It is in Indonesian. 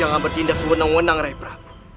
jangan bertindak sebuah hal